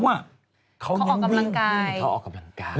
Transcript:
เขากลับนิ่งวิ่งเขาออกกำลังกาย